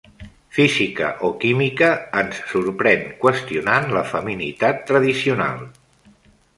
Física o química ens sorprèn qüestionant la feminitat tradicional.